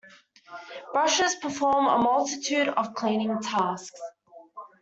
Brushes perform a multitude of cleaning tasks.